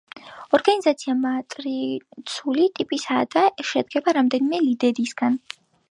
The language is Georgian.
ორგანიზაცია მატრიცული ტიპისაა და შედგება რამდენიმე ლიდერისგან.